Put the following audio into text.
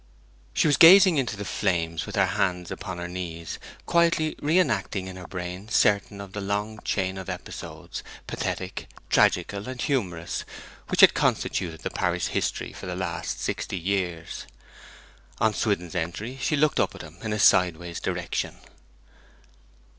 She was gazing into the flames, with her hands upon her knees, quietly re enacting in her brain certain of the long chain of episodes, pathetic, tragical, and humorous, which had constituted the parish history for the last sixty years. On Swithin's entry she looked up at him in a sideway direction.